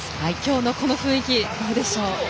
今日の雰囲気、どうでしょう？